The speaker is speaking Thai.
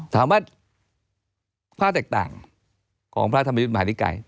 ถามว่าภาพแตกต่างของพระธรรมยุทธ์มหานิกาย